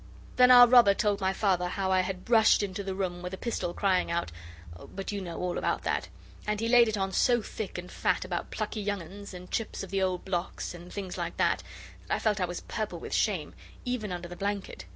Then our robber told my Father how I had rushed into the room with a pistol, crying out... but you know all about that. And he laid it on so thick and fat about plucky young uns, and chips of old blocks, and things like that, that I felt I was purple with shame, even under the blanket.